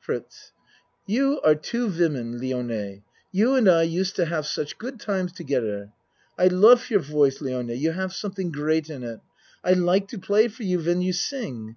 FRITZ You are two women, Lione. You and I used to haf such good times togedder. I lof your voice, Lione, you haf someding great in it. I like to play for you when you sing.